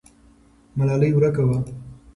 ملالۍ ورکه وه.